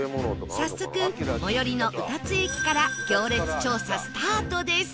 早速最寄りの歌津駅から行列調査スタートです